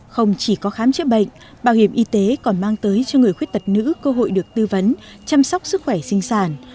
không chỉ có khám chữa bệnh bảo hiểm y tế còn mang tới cho người khuyết tật nữ cơ hội được tư vấn chăm sóc sức khỏe sinh sản